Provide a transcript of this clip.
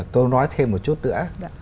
tôi nói thêm một chút nữa